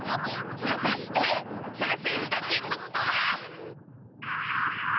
果たして参戦した人物とは？